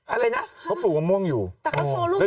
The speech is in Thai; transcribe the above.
อะไรนะเค้าปลูกอัมม่วงอยู่อย่าพล่งสิ